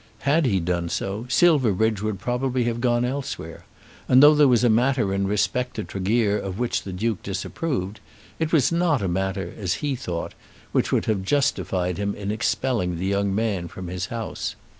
Had he done so, Silverbridge would probably have gone elsewhere; and though there was a matter in respect to Tregear of which the Duke disapproved, it was not a matter, as he thought, which would have justified him in expelling the young man from his house.